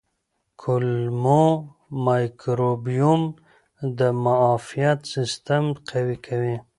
کولمو مایکروبیوم د معافیت سیستم قوي کوي.